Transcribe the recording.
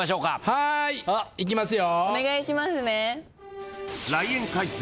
はーい！いきますよ。